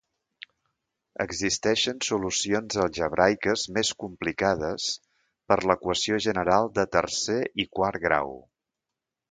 Existeixen solucions algebraiques més complicades per l'equació general de tercer i quart grau.